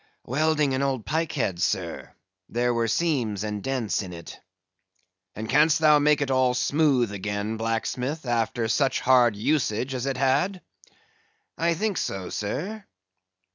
"Welding an old pike head, sir; there were seams and dents in it." "And can'st thou make it all smooth again, blacksmith, after such hard usage as it had?" "I think so, sir."